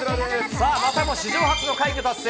さあまたも史上初の快挙達成。